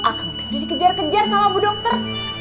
aku udah dikejar kejar sama bu dokter